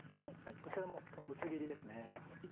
こちらも薄切りですね。